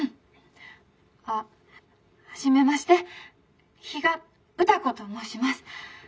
「あっ初めまして比嘉歌子と申します。